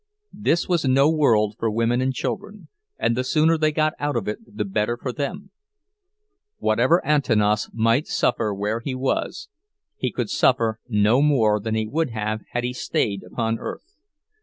This was no world for women and children, and the sooner they got out of it the better for them. Whatever Antanas might suffer where he was, he could suffer no more than he would have had he stayed upon earth.